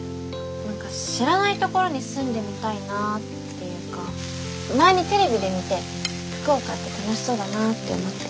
何か知らないところに住んでみたいなっていうか前にテレビで見て福岡って楽しそうだなって思って。